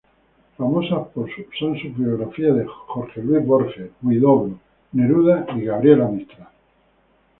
Famosas son sus biografías de Jorge Luis Borges, Huidobro, Neruda y Gabriela Mistral.